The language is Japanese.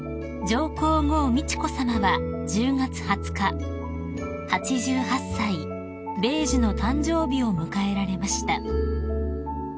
［上皇后美智子さまは１０月２０日８８歳米寿の誕生日を迎えられました］